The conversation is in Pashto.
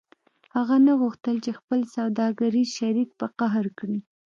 هغه نه غوښتل چې خپل سوداګریز شریک په قهر کړي